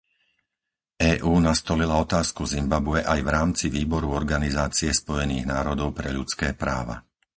EÚ nastolila otázku Zimbabwe aj v rámci Výboru Organizácie spojených národov pre ľudské práva.